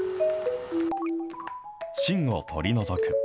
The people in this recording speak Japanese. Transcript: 芯を取り除く。